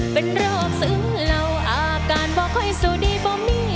เป็นโรคซึ้งเหล่าอาการบอกค่อยสู้ดีบ่มี